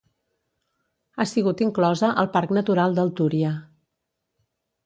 Ha sigut inclosa al Parc Natural del Túria.